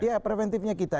iya preventifnya kita